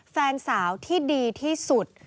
แฟนสาวที่ดีที่สุด